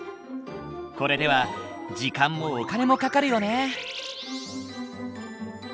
これでは時間もお金もかかるよね。